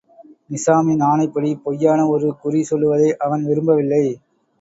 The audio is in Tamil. நிசாமின் ஆணைப்படி பொய்யான ஒரு குறி சொல்லுவதை அவன் விரும்பவில்லை.